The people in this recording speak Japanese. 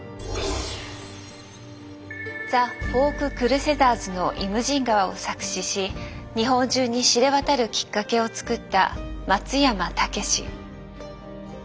ザ・フォーク・クルセダーズの「イムジン河」を作詞し日本中に知れ渡るきっかけを作った松山猛。